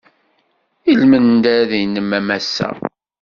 I lmendad-nnem a Massa!